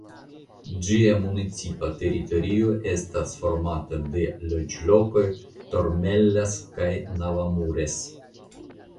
Ĝia municipa teritorio estas formata de loĝlokoj Tormellas kaj Navamures.